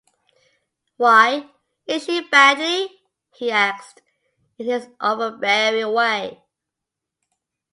“Why, is she badly?” he asked, in his overbearing way.